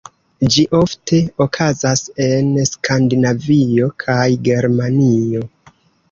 Ĝi ofte okazas en Skandinavio kaj Germanio.